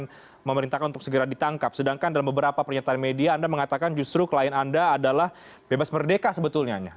dan memerintahkan untuk segera ditangkap sedangkan dalam beberapa pernyataan media anda mengatakan justru klien anda adalah bebas merdeka sebetulnya